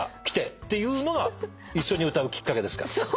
来て」っていうのが一緒に歌うきっかけですから。